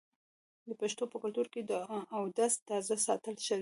د پښتنو په کلتور کې د اودس تازه ساتل ښه دي.